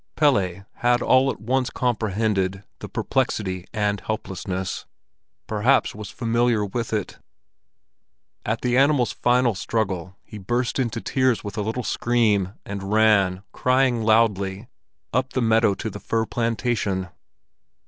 Pelle had all at once comprehended the perplexity and helplessness —perhaps was familiar with it. At the animal's final struggle, he burst into tears with a little scream, and ran, crying loudly, up the meadow toward the fir plantation.